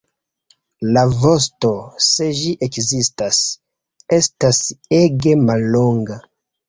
La vosto, se ĝi ekzistas, estas ege mallonga.